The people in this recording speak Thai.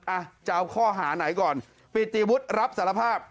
อ่ะจะเอาข้อหาไหนก่อนปิติวุฒิรับสารภาพ